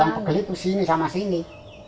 yang pegel itu sini sama sini